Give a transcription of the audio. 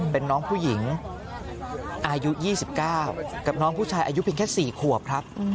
เป็นน้องผู้หญิงอายุ๒๙กับน้องผู้ชายอายุเพียงแค่๔ขวบครับ